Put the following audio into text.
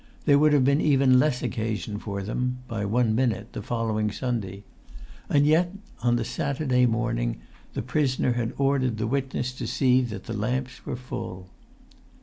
There would have been even less occasion for them—by one minute—the following Sunday. And yet, on the Saturday morning, the prisoner had ordered the witness to see that the lamps were full!